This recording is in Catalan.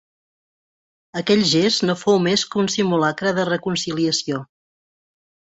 Aquell gest no fou més que un simulacre de reconciliació.